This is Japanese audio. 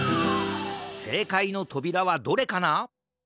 せいかいのとびらはどれかな？